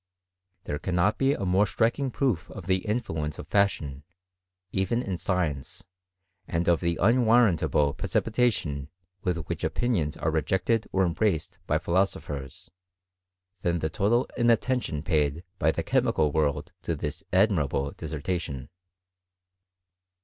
There cannot be a more striking proof of the influence of fashion, even in science, and of the un warrantable precipitation with which opinions ara rejected or embraced by philosophers, than the total inattention paid by the chemical world to this admira ble dissertation.